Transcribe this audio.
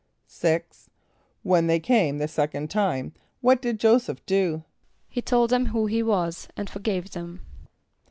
= =6.= When they came the second time what did J[=o]´[s+]eph do? =He told them who he was, and forgave them.